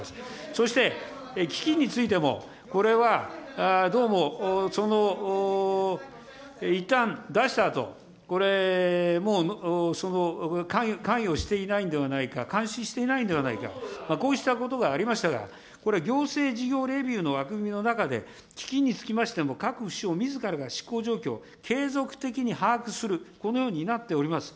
そして基金についても、これはどうも、いったん出したあと、これ、もう関与していないんではないか、監視していないんではないか、こうしたことがありましたが、これ、行政事業レビューの枠組みの中で、基金につきましても、各府省みずからが執行状況、継続的に把握する、このようになっております。